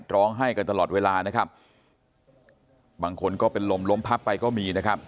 ร้องไห้กันตลอดเวลานะครับบางคนก็เป็นลมล้มพับไปก็มีนะครับ